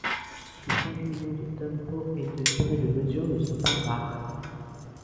Des changements de tempo et de durée de mesure ne sont pas rares.